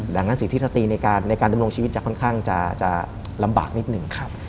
ดังนั้นสิทธิสตรีในการดำรงชีวิตจะค่อนข้างจะลำบากนิดหนึ่ง